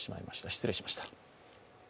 失礼しました。